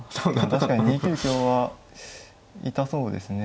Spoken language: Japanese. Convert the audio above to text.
確かに２九香は痛そうですね。